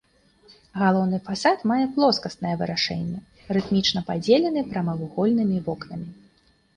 Галоўны фасад мае плоскаснае вырашэнне, рытмічна падзелены прамавугольнымі вокнамі.